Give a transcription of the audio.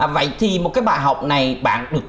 vậy thì một cái bài học này bạn được